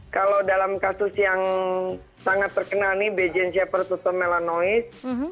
kalau dalam kasus yang sangat terkenal nih bejen shepard tutup melanois